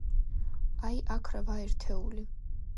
აი, აქ, რვა ერთეული.